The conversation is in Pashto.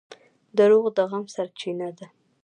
• دروغ د غم سرچینه ده.